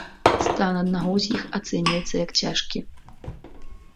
Стан аднаго з іх ацэньваецца як цяжкі.